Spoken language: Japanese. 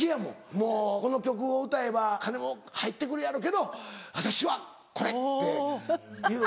もうこの曲を歌えば金も入って来るやろうけど私はこれ！っていう。